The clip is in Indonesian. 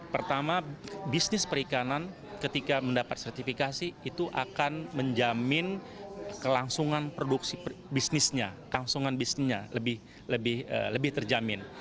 pertama bisnis perikanan ketika mendapat sertifikasi itu akan menjamin kelangsungan produksi bisnisnya kelangsungan bisnisnya lebih terjamin